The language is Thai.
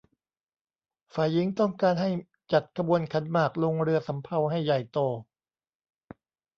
ฝ่ายหญิงต้องการให้จัดขบวนขันหมากลงเรือสำเภาให้ใหญ่โต